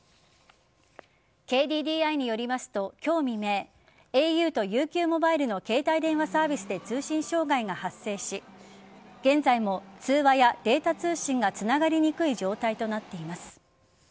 ＫＤＤＩによりますと今日未明ａｕとＵＱモバイルの携帯電話サービスで通信障害が発生し現在も通話やデータ通信がつながりにくい状態となっています。